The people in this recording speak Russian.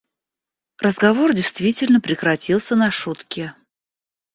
Разговор действительно прекратился на шутке.